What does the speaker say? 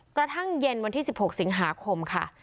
กระทั่งเย็นวันที่๑๖สิงหาคมค่ะ